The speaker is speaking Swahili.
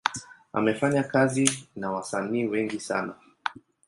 Amefanya kazi na wasanii wengi sana.